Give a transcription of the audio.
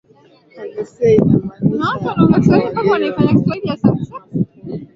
halisi inamaanisha ya kwamba wageni wanaunda kampuni